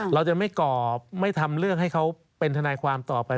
เราจะไม่ก่อไม่ทำเรื่องให้เขาเป็นทนายความต่อไป